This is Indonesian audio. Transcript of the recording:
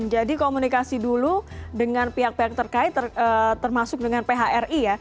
jadi komunikasi dulu dengan pihak pihak terkait termasuk dengan phri ya